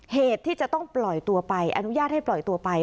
เหตุที่จะต้องปล่อยตัวไปอนุญาตให้ปล่อยตัวไป